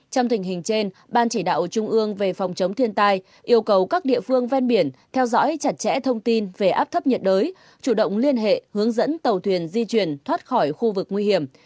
trong tình hình trên ban chỉ đạo trung ương về phòng chống thiên tai yêu cầu các địa phương ven biển theo dõi chặt chẽ thông tin về áp thấp nhiệt đới chủ động liên hệ hướng dẫn tàu thuyền di chuyển thoát khỏi khu vực nguy hiểm